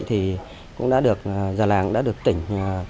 thì cũng đã được già làng đã được tỉnh